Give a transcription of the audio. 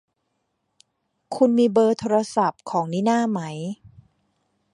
คุณมีเบอร์โทรศัพท์ของนิน่าไหม